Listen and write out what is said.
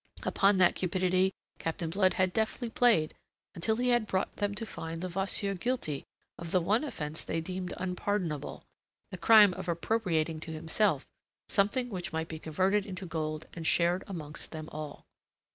Upon that cupidity Captain Blood had deftly played, until he had brought them to find Levasseur guilty of the one offence they deemed unpardonable, the crime of appropriating to himself something which might be converted into gold and shared amongst them all.